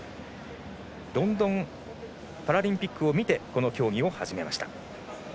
ロンドンパラリンピックを見てこの競技を始めました。